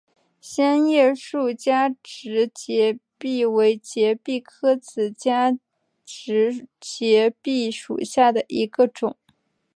香叶树加植节蜱为节蜱科子加植节蜱属下的一个种。